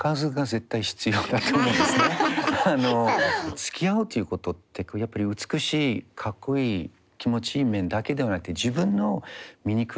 つきあうっていうことってやっぱり美しいかっこいい気持ちいい面だけではなくて自分の醜い面だとか全部見える